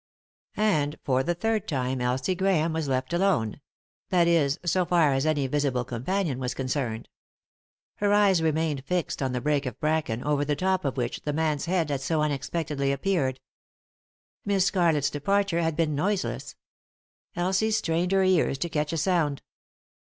And for the third time Elsie Grahame was left alone — that is, so far as any visible companion was con cerned. Her eyes remained fixed on the brake of bracken over the top of which the man's head had so unexpectedly appeared. Miss Scarlett's departure had been noiseless. Elsie strained her ears to catch a sound.